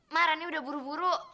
ma rani udah buru buru